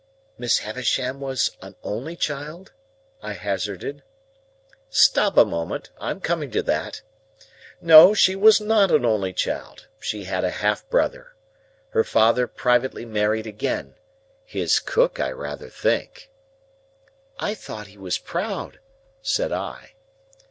"Miss Havisham was an only child?" I hazarded. "Stop a moment, I am coming to that. No, she was not an only child; she had a half brother. Her father privately married again—his cook, I rather think." "I thought he was proud," said I.